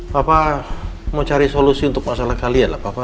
papa mau cari solusi untuk masalah kalian